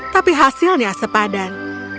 tapi hasilnya sepadan